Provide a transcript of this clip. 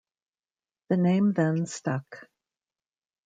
The name then stuck.